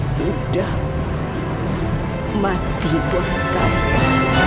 sudah mati bersama